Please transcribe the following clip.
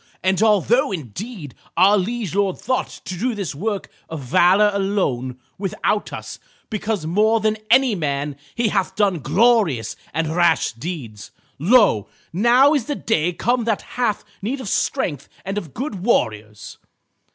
And although indeed our liege lord thought to do this work of valor alone, without us, because more than any man he hath done glorious and rash deeds, lo! now is the day come that hath need of strength and of good warriors.